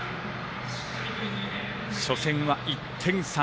初戦は１点差。